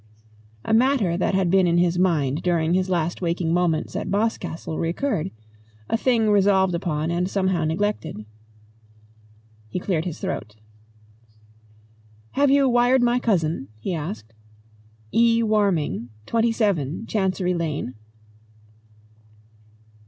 A matter that had been in his mind during his last waking moments at Boscastle recurred, a thing resolved upon and somehow neglected. He cleared his throat. "Have you wired my cousin?" he asked. "E. Warming, 27, Chancery Lane?"